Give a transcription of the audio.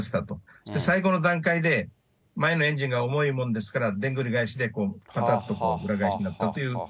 そして最後の段階で、前のエンジンが重いものですから、でんぐり返しで、ぱたっと裏返しになったという。